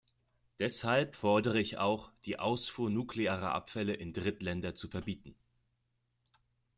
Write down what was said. Deshalb fordere ich auch, die Ausfuhr nuklearer Abfälle in Drittländer zu verbieten.